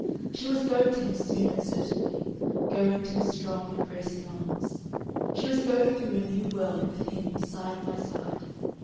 She was going to him soon and certainly, going to his strong, embracing arms. She was going through a new world with him side by side.